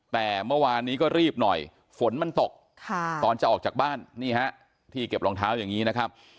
แต่เมื่อวานนี้ก็รีบหน่อยฝนมันตกตอนจะออกจากบ้านนี่ฮะที่เก็บรองเท้าอย่างนี้นะครับ